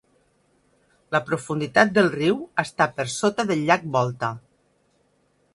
La profunditat del riu està per sota del llac Volta.